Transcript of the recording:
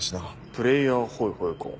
「プレーヤーホイホイ」か。